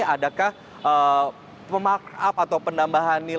adakah pemakup atau penambahan nilai atau seperti apa ada kecurangan kecurangan atau tidak